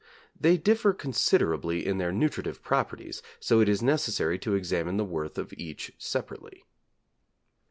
They differ considerably in their nutritive properties, so it is necessary to examine the worth of each separately.